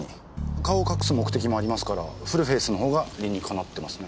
顔を隠す目的もありますからフルフェースのほうが理にかなってますね。